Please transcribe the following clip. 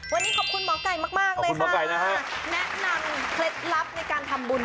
วันนี้ขอบคุณหมอไก่มากเลยค่ะแนะนำเคล็ดลับในการทำบุญ